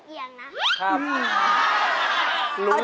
คิดถึง